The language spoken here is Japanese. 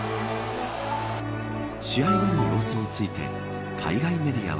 試合後の様子について海外メディアは。